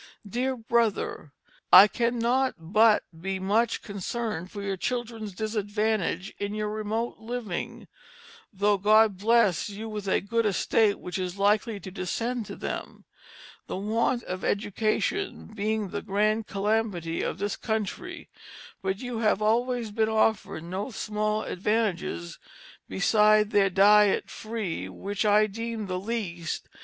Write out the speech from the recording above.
"DEAR BRO^R: "I cannot but be much concerned for your children's disadvantage in your remote livinge (tho' God has blest you with a good Estate which is likely to descend to them) the want of Education being the grand Calamity of this Country, but you have always Been offered no small advantages, besides their diet free, w^ch I deeme the Leest.